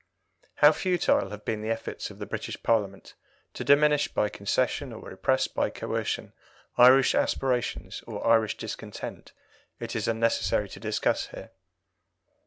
How futile have been the efforts of the British Parliament to diminish by concession or repress by coercion Irish aspirations or Irish discontent it is unnecessary to discuss here.